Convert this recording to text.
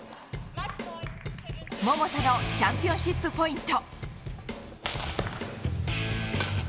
桃田のチャンピオンシップポイント。